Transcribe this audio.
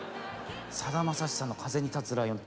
さだまさしさんの「風に立つライオン」。